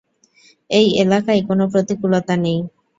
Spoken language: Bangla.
এই এলাকায় কোন প্রতিকূলতা নেই।